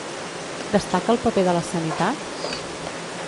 Destaca el paper de la sanitat?